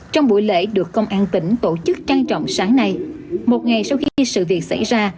trong buổi lễ được công an tỉnh tổ chức trang trọng sáng nay một ngày sau khi sự việc xảy ra